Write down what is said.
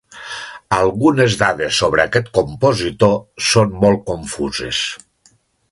Algunes dades sobre aquest compositor són molt confuses.